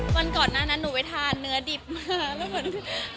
วันก่อนหน้านั้นหนูไปทานเนื้อดิบมา